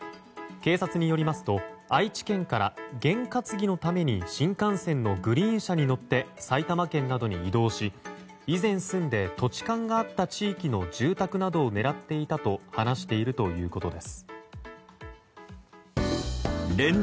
警察によりますと愛知県から験担ぎのために新幹線のグリーン車に乗って埼玉県などに移動し以前住んで土地勘があった地域の住宅などを狙っていたと話しているということです。